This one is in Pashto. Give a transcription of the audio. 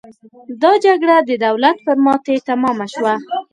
دا جګړه د دولت پر ماتې تمامه شوه.